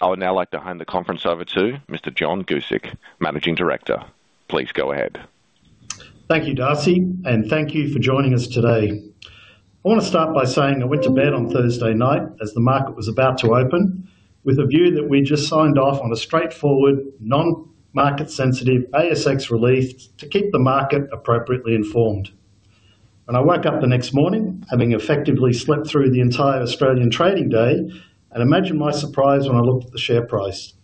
I would now like to hand the conference over to Mr. John Guscic, Managing Director. Please go ahead. Thank you, Darcy, and thank you for joining us today. I want to start by saying I went to bed on Thursday night as the market was about to open, with a view that we just signed off on a straightforward, non-market-sensitive ASX release to keep the market appropriately informed. I woke up the next morning, having effectively slept through the entire Australian trading day, and imagine my surprise when I looked at the share price.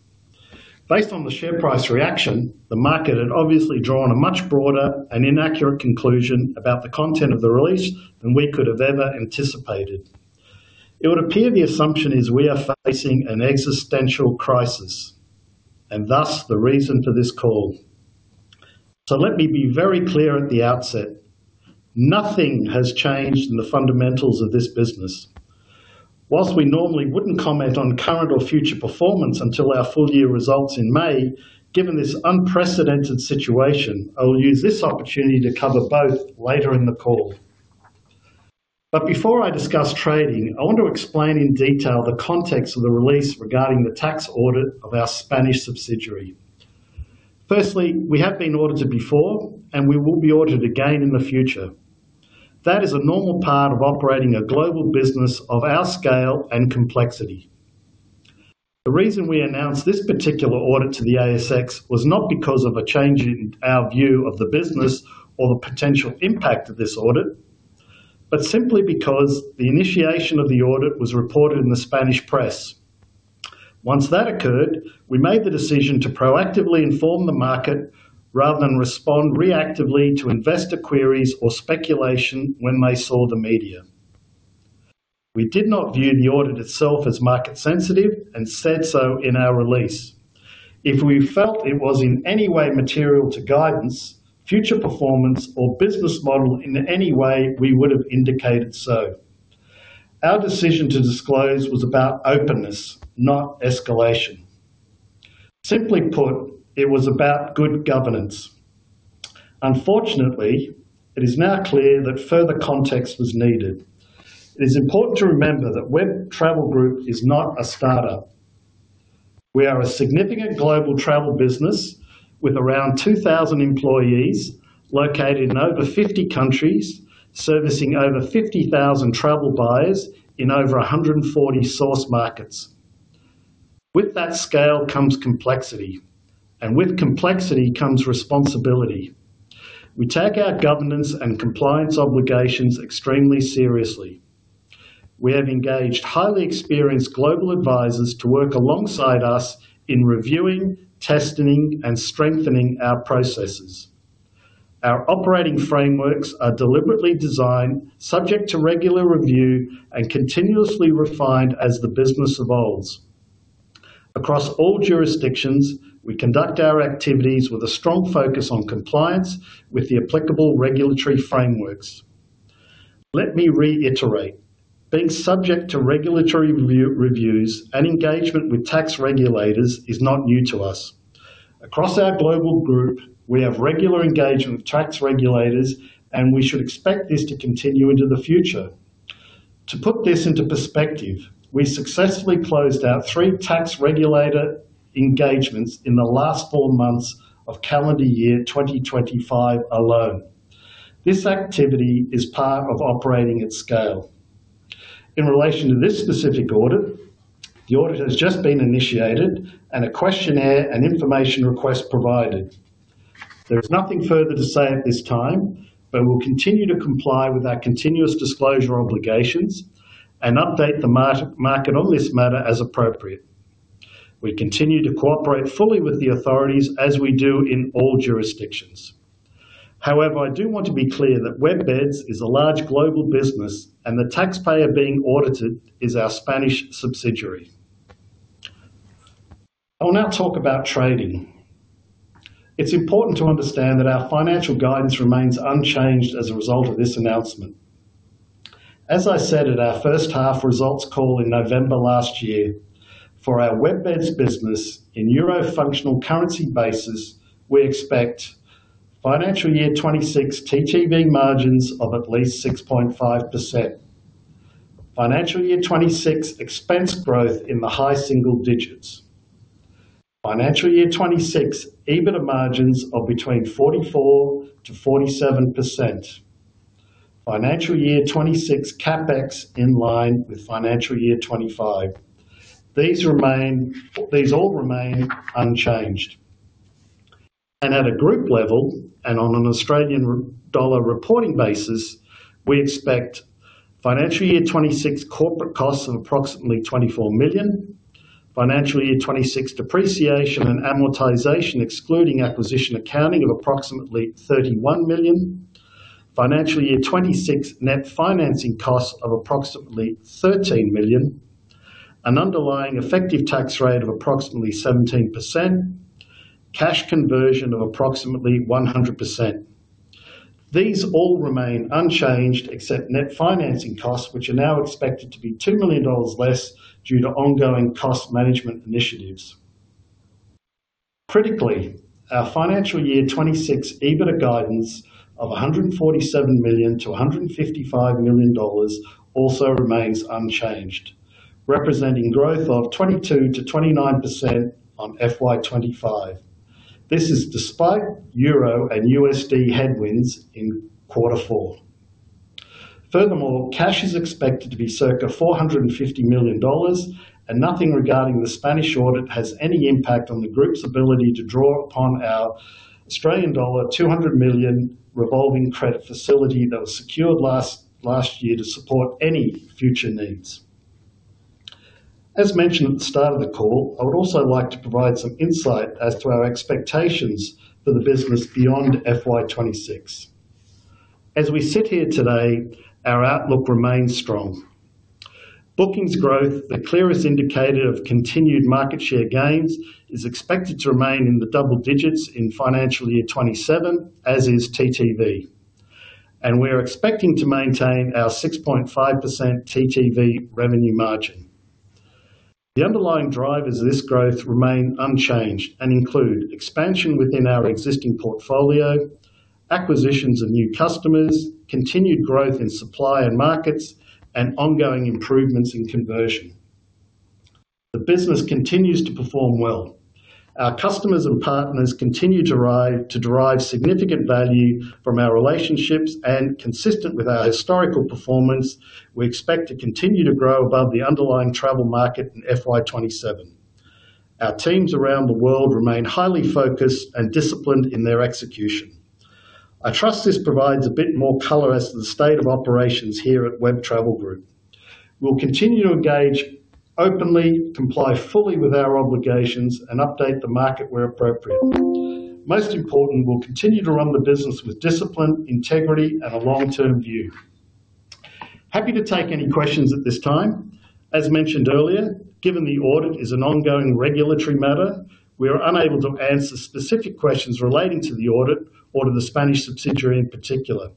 Based on the share price reaction, the market had obviously drawn a much broader and inaccurate conclusion about the content of the release than we could have ever anticipated. It would appear the assumption is we are facing an existential crisis, and thus the reason for this call. Let me be very clear at the outset: nothing has changed in the fundamentals of this business. While we normally wouldn't comment on current or future performance until our full-year results in May, given this unprecedented situation, I will use this opportunity to cover both later in the call. Before I discuss trading, I want to explain in detail the context of the release regarding the tax audit of our Spanish subsidiary. Firstly, we have been audited before, and we will be audited again in the future. That is a normal part of operating a global business of our scale and complexity. The reason we announced this particular audit to the ASX was not because of a change in our view of the business or the potential impact of this audit, but simply because the initiation of the audit was reported in the Spanish press. Once that occurred, we made the decision to proactively inform the market rather than respond reactively to investor queries or speculation when they saw the media. We did not view the audit itself as market-sensitive and said so in our release. If we felt it was in any way material to guidance, future performance, or business model in any way, we would have indicated so. Our decision to disclose was about openness, not escalation. Simply put, it was about good governance. Unfortunately, it is now clear that further context was needed. It is important to remember that Web Travel Group is not a startup. We are a significant global travel business with around 2,000 employees located in over 50 countries, servicing over 50,000 travel buyers in over 140 source markets. With that scale comes complexity, and with complexity comes responsibility. We take our governance and compliance obligations extremely seriously. We have engaged highly experienced global advisors to work alongside us in reviewing, testing, and strengthening our processes. Our operating frameworks are deliberately designed, subject to regular review, and continuously refined as the business evolves. Across all jurisdictions, we conduct our activities with a strong focus on compliance with the applicable regulatory frameworks. Let me reiterate: being subject to regulatory reviews and engagement with tax regulators is not new to us. Across our global group, we have regular engagement with tax regulators, and we should expect this to continue into the future. To put this into perspective, we successfully closed out three tax regulator engagements in the last four months of calendar year 2025 alone. This activity is part of operating at scale. In relation to this specific audit, the audit has just been initiated, and a questionnaire and information request provided. There is nothing further to say at this time, but we'll continue to comply with our continuous disclosure obligations and update the market on this matter as appropriate. We continue to cooperate fully with the authorities as we do in all jurisdictions. However, I do want to be clear that WebBeds is a large global business, and the taxpayer being audited is our Spanish subsidiary. I will now talk about trading. It's important to understand that our financial guidance remains unchanged as a result of this announcement. As I said at our first half results call in November last year, for our WebBeds business in Euro-functional currency basis, we expect: financial year 2026 TTV margins of at least 6.5%. Financial year 2026 expense growth in the high single digits. Financial year 2026 EBITDA margins of between 44%-47%. Financial year 2026 CapEx in line with financial year 2025. These all remain unchanged. At a group level and on an Australian dollar reporting basis, we expect: financial year 2026 corporate costs of approximately 24 million; financial year 2026 depreciation and amortization excluding acquisition accounting of approximately 31 million; financial year 2026 net financing costs of approximately 13 million; an underlying effective tax rate of approximately 17%; cash conversion of approximately 100%. These all remain unchanged except net financing costs, which are now expected to be 2 million dollars less due to ongoing cost management initiatives. Critically, our financial year 2026 EBITDA guidance of 147 million-155 million dollars also remains unchanged, representing growth of 22%-29% on FY 2025. This is despite euro and U.S. dollar headwinds in quarter four. Furthermore, cash is expected to be circa 450 million dollars, and nothing regarding the Spanish audit has any impact on the group's ability to draw upon our Australian dollar 200 million revolving credit facility that was secured last year to support any future needs. As mentioned at the start of the call, I would also like to provide some insight as to our expectations for the business beyond FY 2026. As we sit here today, our outlook remains strong. Bookings growth, the clearest indicator of continued market share gains, is expected to remain in the double digits in financial year 2027, as is TTV, and we are expecting to maintain our 6.5% TTV revenue margin. The underlying drivers of this growth remain unchanged and include expansion within our existing portfolio, acquisitions of new customers, continued growth in supply and markets, and ongoing improvements in conversion. The business continues to perform well. Our customers and partners continue to derive significant value from our relationships, and consistent with our historical performance, we expect to continue to grow above the underlying travel market in FY 2027. Our teams around the world remain highly focused and disciplined in their execution. I trust this provides a bit more color as to the state of operations here at Web Travel Group. We'll continue to engage openly, comply fully with our obligations, and update the market where appropriate. Most important, we'll continue to run the business with discipline, integrity, and a long-term view. Happy to take any questions at this time. As mentioned earlier, given the audit is an ongoing regulatory matter, we are unable to answer specific questions relating to the audit or to the Spanish subsidiary in particular.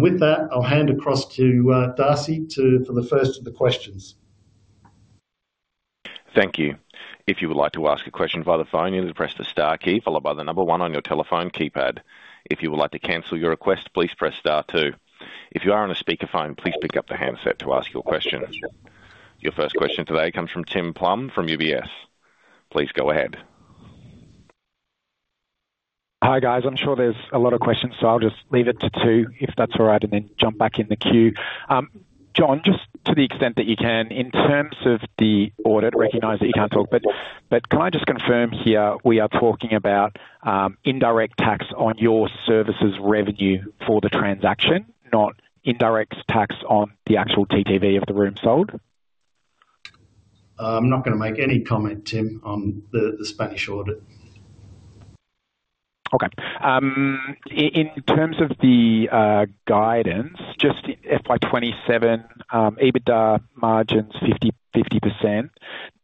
With that, I'll hand across to Darcy for the first of the questions. Thank you. If you would like to ask a question via the phone, you need to press the star key followed by the number one on your telephone keypad. If you would like to cancel your request, please press star two. If you are on a speakerphone, please pick up the handset to ask your question. Your first question today comes from Tim Plumbe from UBS. Please go ahead. Hi, guys. I'm sure there's a lot of questions, so I'll just leave it to two if that's all right and then jump back in the queue. John, just to the extent that you can, in terms of the audit recognize that you can't talk, but can I just confirm here we are talking about indirect tax on your services revenue for the transaction, not indirect tax on the actual TTV of the room sold? I'm not going to make any comment, Tim, on the Spanish audit. Okay. In terms of the guidance, just FY 2027, EBITDA margins 50%,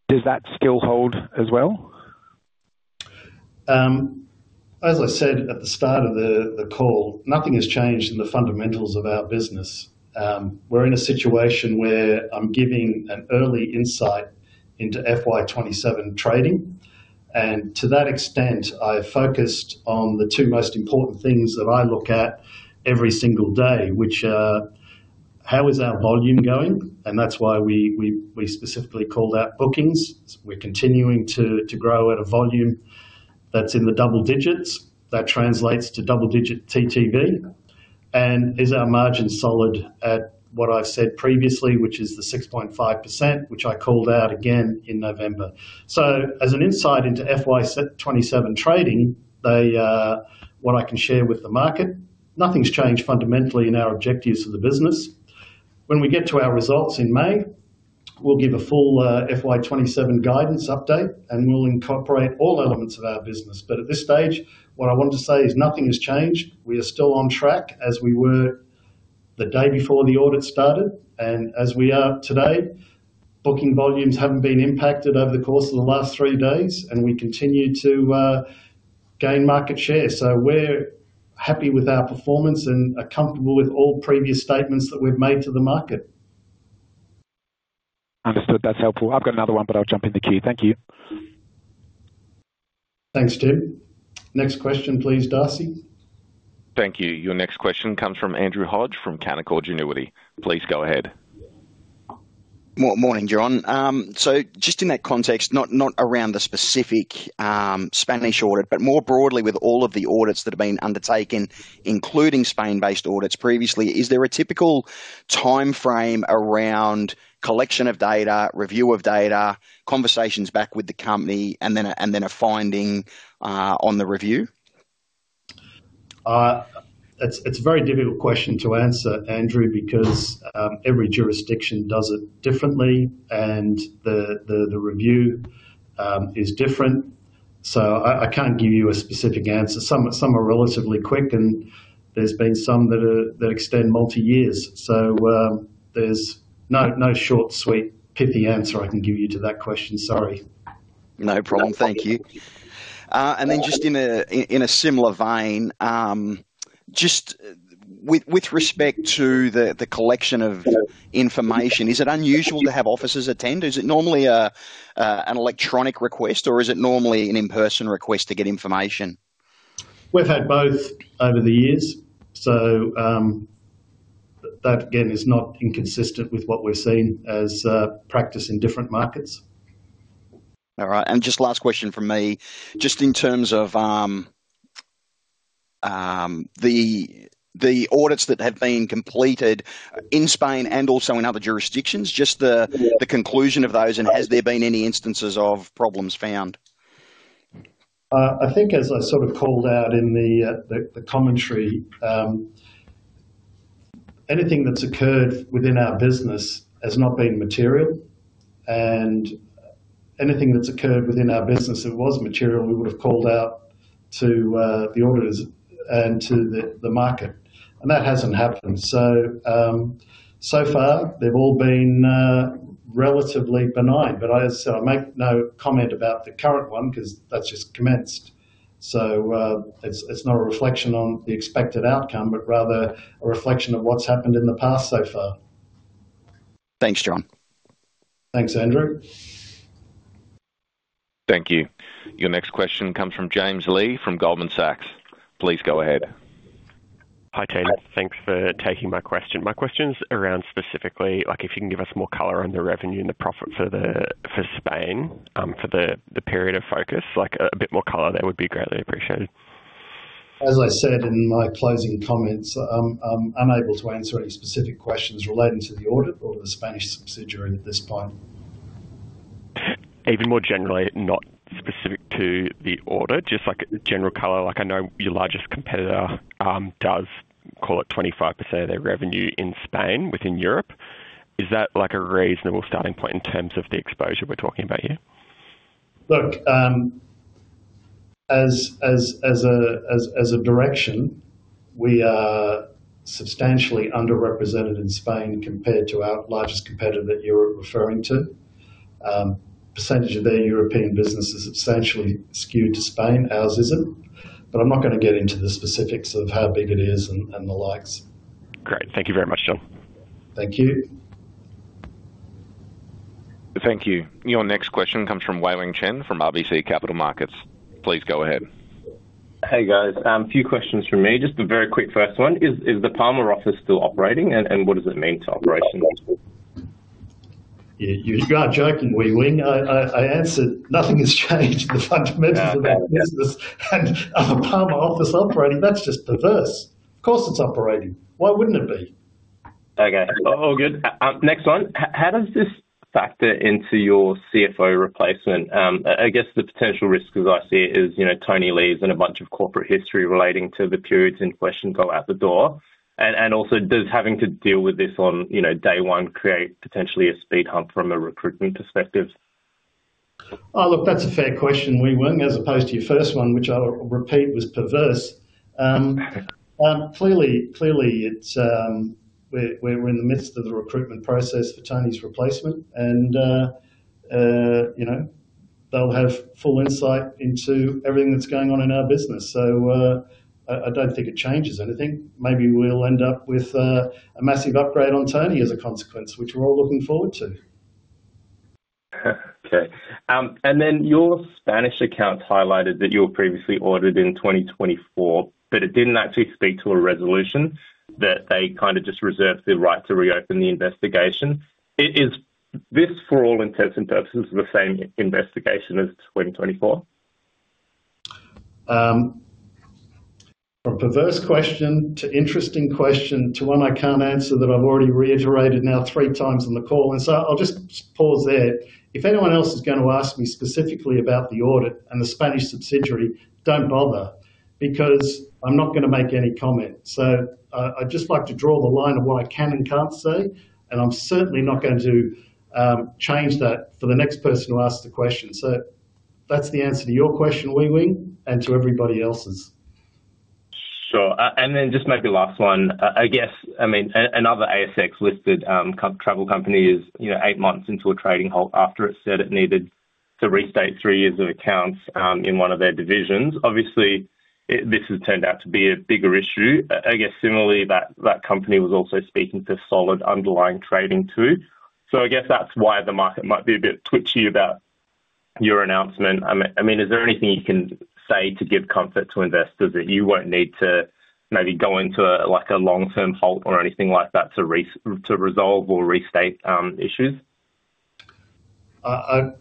does that still hold as well? As I said at the start of the call, nothing has changed in the fundamentals of our business. We're in a situation where I'm giving an early insight into FY 2027 trading. To that extent, I have focused on the two most important things that I look at every single day, which are how is our volume going, and that's why we specifically called out bookings. We're continuing to grow at a volume that's in the double digits. That translates to double-digit TTV. Is our margin solid at what I've said previously, which is the 6.5%, which I called out again in November? As an insight into FY 2027 trading, what I can share with the market, nothing's changed fundamentally in our objectives of the business. When we get to our results in May, we'll give a full FY 2027 guidance update, and we'll incorporate all elements of our business. At this stage, what I want to say is nothing has changed. We are still on track as we were the day before the audit started and as we are today. Booking volumes haven't been impacted over the course of the last three days, and we continue to gain market share. We're happy with our performance and are comfortable with all previous statements that we've made to the market. Understood. That's helpful. I've got another one, but I'll jump in the queue. Thank you. Thanks, Tim. Next question, please, Darcy. Thank you. Your next question comes from Andrew Hodge from Canaccord Genuity. Please go ahead. Morning, John. So just in that context, not around the specific Spanish audit, but more broadly with all of the audits that have been undertaken, including Spain-based audits previously, is there a typical timeframe around collection of data, review of data, conversations back with the company, and then a finding on the review? It's a very difficult question to answer, Andrew, because every jurisdiction does it differently, and the review is different. So I can't give you a specific answer. Some are relatively quick, and there's been some that extend multi-years. So there's no short, sweet, pithy answer I can give you to that question. Sorry. No problem. Thank you. Then just in a similar vein, just with respect to the collection of information, is it unusual to have offices attend? Is it normally an electronic request, or is it normally an in-person request to get information? We've had both over the years. So that, again, is not inconsistent with what we're seeing as practice in different markets. All right. Just last question from me, just in terms of the audits that have been completed in Spain and also in other jurisdictions, just the conclusion of those, and has there been any instances of problems found? I think, as I sort of called out in the commentary, anything that's occurred within our business has not been material. And anything that's occurred within our business that was material, we would have called out to the auditors and to the market. And that hasn't happened. So far, they've all been relatively benign. But as I said, I'll make no comment about the current one because that's just commenced. So it's not a reflection on the expected outcome, but rather a reflection of what's happened in the past so far. Thanks, John. Thanks, Andrew. Thank you. Your next question comes from James Lee from Goldman Sachs. Please go ahead. Hi, there. Thanks for taking my question. My question's around specifically if you can give us more color on the revenue and the profit for Spain for the period of focus. A bit more color there would be greatly appreciated. As I said in my closing comments, I'm unable to answer any specific questions relating to the audit or to the Spanish subsidiary at this point. Even more generally, not specific to the audit, just general color. I know your largest competitor does call it 25% of their revenue in Spain within Europe. Is that a reasonable starting point in terms of the exposure we're talking about here? Look, as a direction, we are substantially underrepresented in Spain compared to our largest competitor that you're referring to. A percentage of their European business is substantially skewed to Spain. Ours isn't. But I'm not going to get into the specifics of how big it is and the likes. Great. Thank you very much, John. Thank you. Thank you. Your next question comes from Wei-Weng Chen from RBC Capital Markets. Please go ahead. Hey, guys. A few questions from me. Just a very quick first one. Is the Palma office still operating, and what does it mean to operations? You are joking, Weiweng. I answered, nothing has changed. The fundamentals of our business and our Palma office operating, that's just perverse. Of course it's operating. Why wouldn't it be? Okay. All good. Next one. How does this factor into your CFO replacement? I guess the potential risk, as I see it, is Tony Ristevski and a bunch of corporate history relating to the periods in question go out the door. And also, does having to deal with this on day one create potentially a speed hump from a recruitment perspective? Look, that's a fair question, Weiweng, as opposed to your first one, which I'll repeat was perverse. Clearly, we're in the midst of the recruitment process for Tony's replacement, and they'll have full insight into everything that's going on in our business. So I don't think it changes anything. Maybe we'll end up with a massive upgrade on Tony as a consequence, which we're all looking forward to. Okay. And then your Spanish account highlighted that you were previously audited in 2024, but it didn't actually speak to a resolution that they kind of just reserved the right to reopen the investigation. Is this, for all intents and purposes, the same investigation as 2024? From perverse question to interesting question to one I can't answer that I've already reiterated now three times on the call. And so I'll just pause there. If anyone else is going to ask me specifically about the audit and the Spanish subsidiary, don't bother because I'm not going to make any comment. So I'd just like to draw the line of what I can and can't say, and I'm certainly not going to change that for the next person who asks the question. So that's the answer to your question, Weiweng, and to everybody else's. And then just maybe last one. I guess, I mean, another ASX-listed travel company is eight months into a trading halt after it said it needed to restate three years of accounts in one of their divisions. Obviously, this has turned out to be a bigger issue. I guess, similarly, that company was also speaking to solid underlying trading too. So I guess that's why the market might be a bit twitchy about your announcement. I mean, is there anything you can say to give comfort to investors that you won't need to maybe go into a long-term halt or anything like that to resolve or restate issues? You're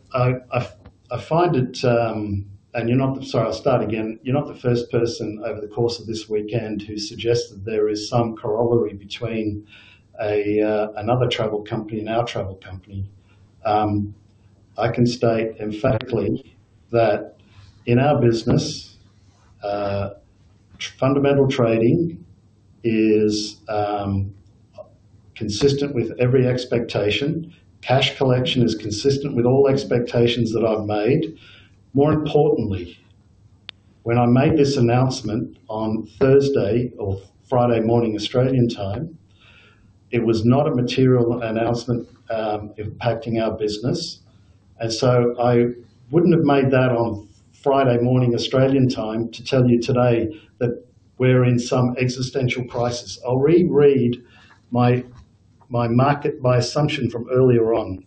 not the first person over the course of this weekend who suggests that there is some corollary between another travel company and our travel company. I can state emphatically that in our business, fundamental trading is consistent with every expectation. Cash collection is consistent with all expectations that I've made. More importantly, when I made this announcement on Thursday or Friday morning Australian time, it was not a material announcement impacting our business. And so I wouldn't have made that on Friday morning Australian time to tell you today that we're in some existential crisis. I'll reread my market assumption from earlier on.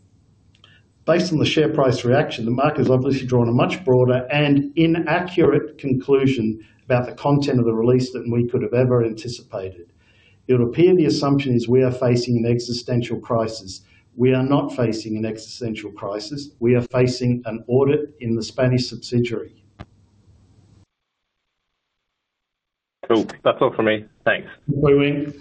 Based on the share price reaction, the market has obviously drawn a much broader and inaccurate conclusion about the content of the release than we could have ever anticipated. It would appear the assumption is we are facing an existential crisis. We are not facing an existential crisis. We are facing an audit in the Spanish subsidiary. Cool. That's all from me. Thanks. Weiweng.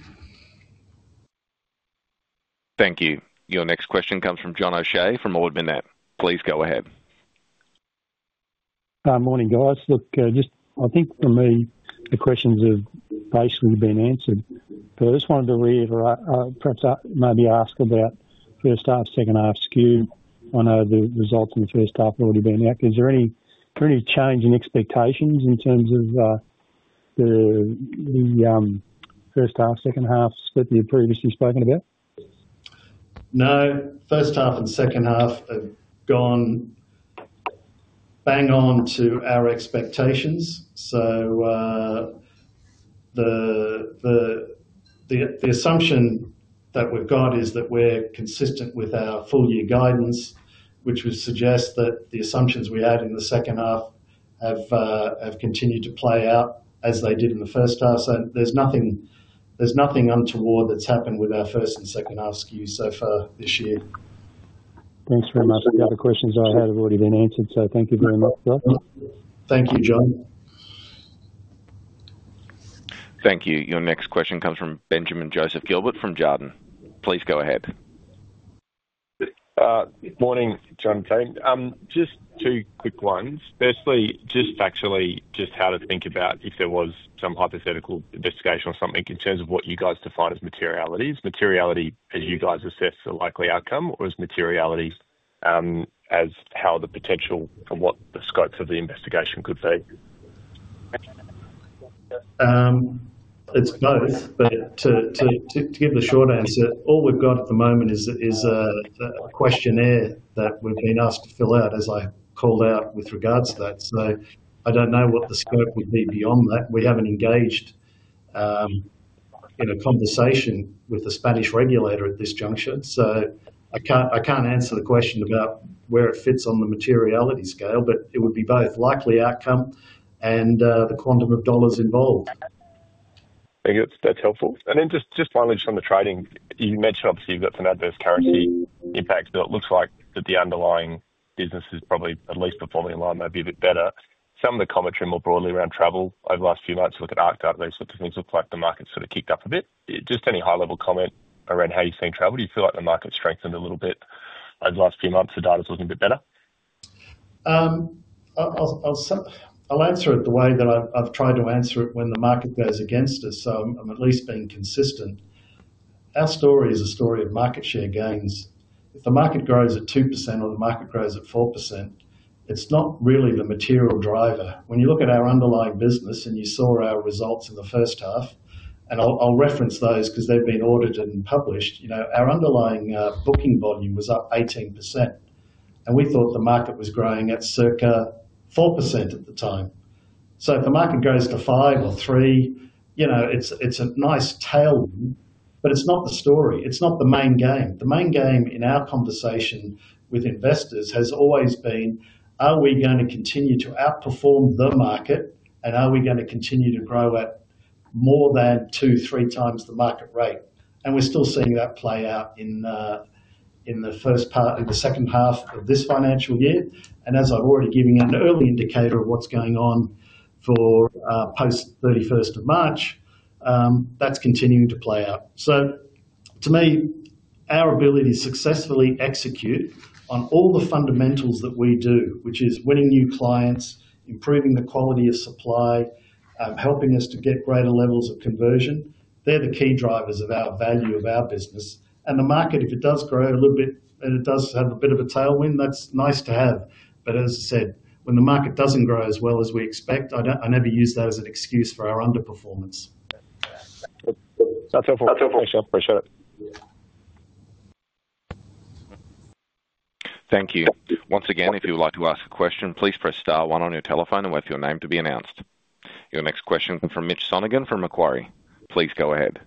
Thank you. Your next question comes from John O'Shea from Ord Minnett. Please go ahead. Morning, guys. Look, I think for me, the questions have basically been answered. But I just wanted to perhaps maybe ask about first half, second half skew. I know the results in the first half have already been out. Is there any change in expectations in terms of the first half, second half split that you've previously spoken about? No. First half and second half have gone bang on to our expectations. So the assumption that we've got is that we're consistent with our full-year guidance, which would suggest that the assumptions we had in the second half have continued to play out as they did in the first half. So there's nothing untoward that's happened with our first and second half skew so far this year. Thanks very much. The other questions I had have already been answered. Thank you very much, John. Thank you, John. Thank you. Your next question comes from Benjamin Joseph Gilbert from Jarden. Please go ahead. Good morning, John. Just two quick ones. Firstly, just actually just how to think about if there was some hypothetical investigation or something in terms of what you guys define as materiality. Is materiality as you guys assess the likely outcome, or is materiality as how the potential or what the scopes of the investigation could be? It's both. But to give the short answer, all we've got at the moment is a questionnaire that we've been asked to fill out, as I called out, with regards to that. So I don't know what the scope would be beyond that. We haven't engaged in a conversation with the Spanish regulator at this juncture. So I can't answer the question about where it fits on the materiality scale, but it would be both likely outcome and the quantum of dollars involved. Thank you. That's helpful. And then just finally, just on the trading, you mentioned, obviously, you've got some adverse currency impacts. But it looks like that the underlying business is probably at least performing a lot, maybe a bit better. Some of the commentary more broadly around travel over the last few months, you look at ARC data, those sorts of things, look like the market's sort of kicked up a bit. Just any high-level comment around how you're seeing travel? Do you feel like the market's strengthened a little bit over the last few months? The data's looking a bit better? I'll answer it the way that I've tried to answer it when the market goes against us. So I'm at least being consistent. Our story is a story of market share gains. If the market grows at 2% or the market grows at 4%, it's not really the material driver. When you look at our underlying business and you saw our results in the first half, and I'll reference those because they've been audited and published, our underlying booking volume was up 18%. And we thought the market was growing at circa 4% at the time. So if the market goes to 5% or 3%, it's a nice tailwind, but it's not the story. It's not the main game. The main game in our conversation with investors has always been, are we going to continue to outperform the market, and are we going to continue to grow at more than 2x-3x the market rate? We're still seeing that play out in the first part in the second half of this financial year. As I've already given you an early indicator of what's going on for post-31st of March, that's continuing to play out. To me, our ability to successfully execute on all the fundamentals that we do, which is winning new clients, improving the quality of supply, helping us to get greater levels of conversion, they're the key drivers of our value of our business. The market, if it does grow a little bit and it does have a bit of a tailwind, that's nice to have. But as I said, when the market doesn't grow as well as we expect, I never use that as an excuse for our underperformance. That's helpful. Appreciate it. Thank you. Once again, if you would like to ask a question, please press star one on your telephone and wait for your name to be announced. Your next question comes from Mitch Sonogan from Macquarie. Please go ahead.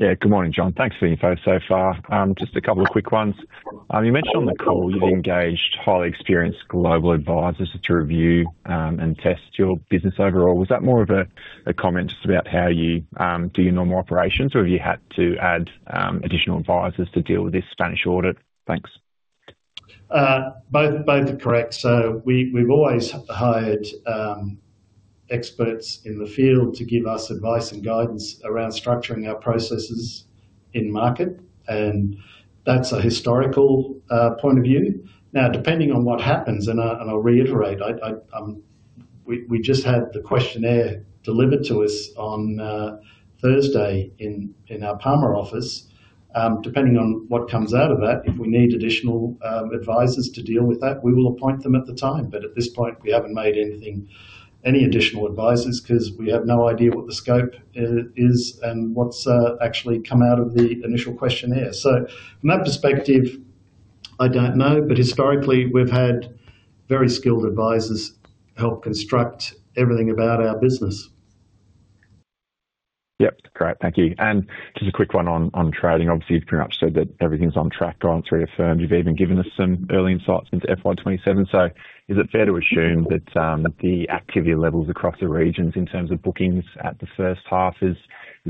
Yeah. Good morning, John. Thanks for the info so far. Just a couple of quick ones. You mentioned on the call you've engaged highly experienced global advisors to review and test your business overall. Was that more of a comment just about how you do your normal operations, or have you had to add additional advisors to deal with this Spanish audit? Thanks. Both are correct. So we've always hired experts in the field to give us advice and guidance around structuring our processes in market. And that's a historical point of view. Now, depending on what happens - and I'll reiterate, we just had the questionnaire delivered to us on Thursday in our Palma office - depending on what comes out of that, if we need additional advisors to deal with that, we will appoint them at the time. But at this point, we haven't made any additional advisors because we have no idea what the scope is and what's actually come out of the initial questionnaire. So from that perspective, I don't know. But historically, we've had very skilled advisors help construct everything about our business. Yep. Correct. Thank you. And just a quick one on trading. Obviously, you've pretty much said that everything's on track. I'll answer it again. You've even given us some early insights into FY 2027. So is it fair to assume that the activity levels across the regions in terms of bookings at the first half is,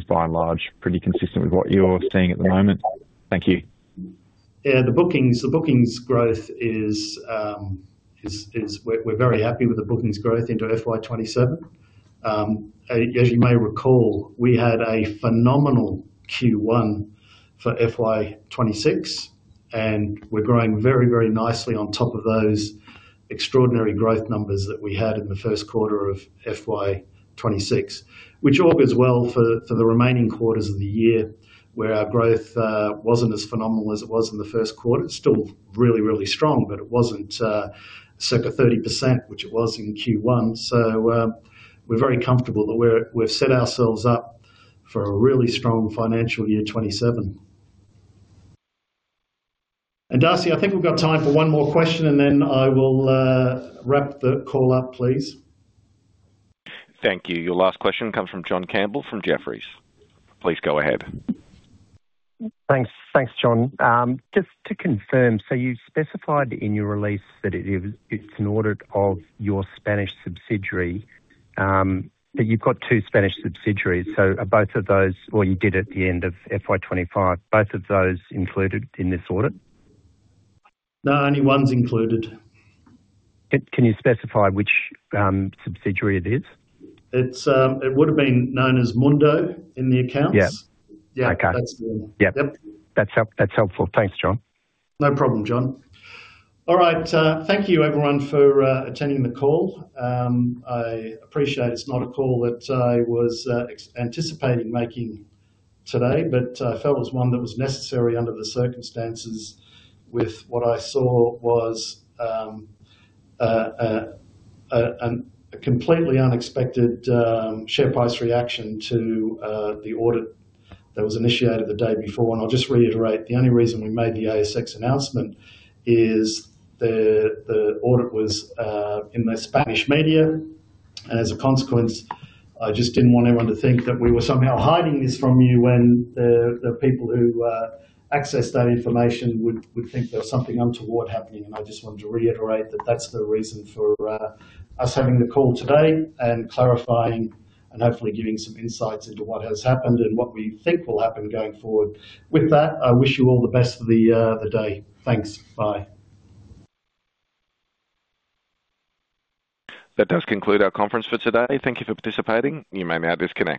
by and large, pretty consistent with what you're seeing at the moment? Thank you. Yeah. The bookings growth is, we're very happy with the bookings growth into FY 2027. As you may recall, we had a phenomenal Q1 for FY 2026, and we're growing very, very nicely on top of those extraordinary growth numbers that we had in the first quarter of FY 2026, which augurs well for the remaining quarters of the year where our growth wasn't as phenomenal as it was in the first quarter. It's still really, really strong, but it wasn't circa 30%, which it was in Q1. So we're very comfortable that we've set ourselves up for a really strong financial year 2027. And Darcy, I think we've got time for one more question, and then I will wrap the call up, please. Thank you. Your last question comes from John Campbell from Jefferies. Please go ahead. Thanks, John. Just to confirm, so you specified in your release that it's an audit of your Spanish subsidiary, but you've got two Spanish subsidiaries. So are both of those? Well, you did at the end of FY 2025. Both of those included in this audit? No. Only one's included. Can you specify which subsidiary it is? It would have been known as Mundo in the accounts. Yeah. Okay. That's helpful. Thanks, John. No problem, John. All right. Thank you, everyone, for attending the call. I appreciate it's not a call that I was anticipating making today, but I felt it was one that was necessary under the circumstances with what I saw was a completely unexpected share price reaction to the audit that was initiated the day before. And I'll just reiterate, the only reason we made the ASX announcement is the audit was in the Spanish media. And as a consequence, I just didn't want everyone to think that we were somehow hiding this from you when the people who accessed that information would think there was something untoward happening. And I just wanted to reiterate that that's the reason for us having the call today and clarifying and hopefully giving some insights into what has happened and what we think will happen going forward. With that, I wish you all the best for the day. Thanks. Bye. That does conclude our conference for today. Thank you for participating. You may now disconnect.